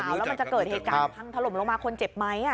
แล้วมันจะเกิดเหตุการณ์พังถล่มลงมาคนเจ็บไหม